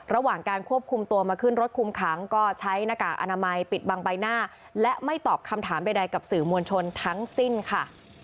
ระหว่างการควบคุมตัวมาขึ้นรถคุมขังก็ใช้หน้ากากอนามัยปิดบังใบหน้าและไม่ตอบคำถามใดกับสื่อมวลชนทั้งสิ้นค่ะ